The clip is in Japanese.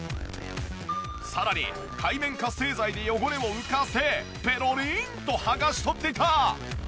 さらに界面活性剤で汚れを浮かせペロリンと剥がし取っていた！